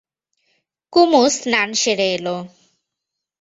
কুমু স্নান সেরে এল।